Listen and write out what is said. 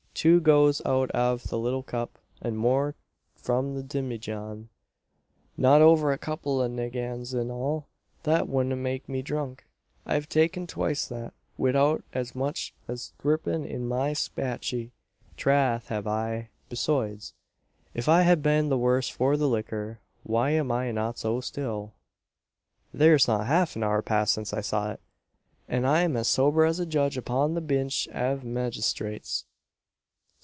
Two goes out av the little cup, an two more from the dimmyjan not over a kupple av naggins in all! That wudn't make me dhrunk. I've taken twice that, widout as much as thrippin in my spache. Trath have I. Besoides, if I had been the worse for the liquor, why am I not so still? "Thare's not half an hour passed since I saw it; an I'm as sober as a judge upon the binch av magistrates.